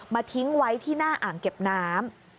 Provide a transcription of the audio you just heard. ทิ้งไว้ที่หน้าอ่างเก็บน้ำ